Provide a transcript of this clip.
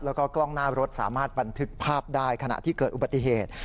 แล้วก็กล้องหน้ารถสามารถบันทึกภาพได้ขณะที่เกิดอุบัติเหตุ